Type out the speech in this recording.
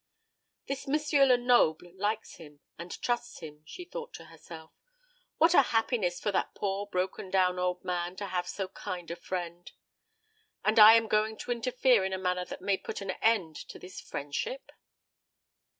"This M. Lenoble likes him and trusts him," she thought to herself. "What a happiness for that poor broken down old man to have so kind a friend! And I am going to interfere in a manner that may put an end to this friendship?"